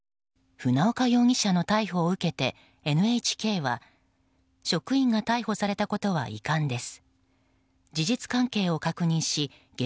船岡容疑者の逮捕を受けてＮＨＫは職員が逮捕されたことは遺憾です。